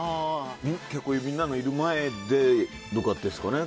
結構、みんなのいる前でということですかね。